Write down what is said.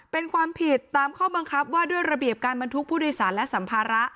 เป็นความผิดตามข้อบังคับว่าด้วยระเบียบการบรรทุกผู้โดยสารและสัมภาระ